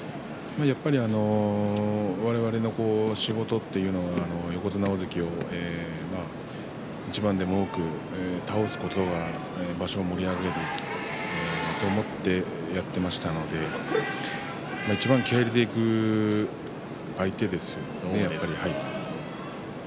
やっぱり、我々の仕事というのは横綱大関を一番でも多く倒すことが場所を盛り上げると思ってやっていましたのでいちばん気合いを入れていく相手ですよね、やっぱりね。